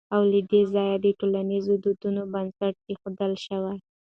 او له دې ځايه د ټولنيزو دودونو بنسټ کېښودل شو